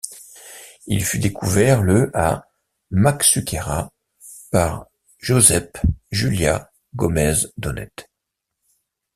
Il fut découvert le à Marxuquera par Josep Juliá Gómez Donet.